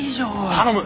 頼む！